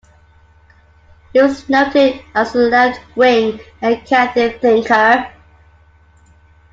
He was noted as a left-wing and Catholic thinker.